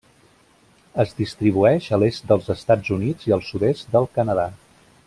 Es distribueix a l'est dels Estats Units i al sud-est del Canadà.